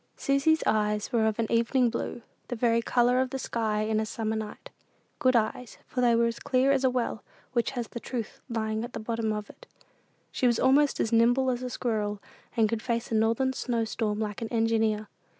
Susy's eyes were of an "evening blue," the very color of the sky in a summer night; good eyes, for they were as clear as a well which has the "truth" lying at the bottom of it. She was almost as nimble as a squirrel, and could face a northern snow storm like an engineer.